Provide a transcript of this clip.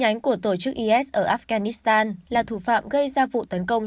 nhánh của tổ chức is ở afghanistan là thủ phạm gây ra vụ tấn công